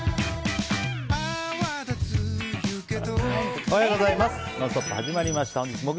おはようございます。